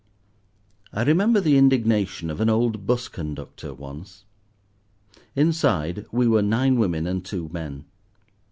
I remember the indignation of an old Bus conductor, once. Inside we were nine women and two men.